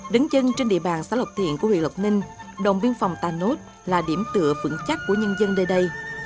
đứng chân trên địa bàn xã lộc thiện của huyện lộc ninh đồng biên phòng tà nốt là điểm tựa vững chắc của nhân dân nơi đây